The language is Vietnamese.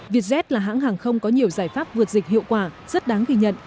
vietjet là hãng hàng không có nhiều giải pháp vượt dịch hiệu quả rất đáng ghi nhận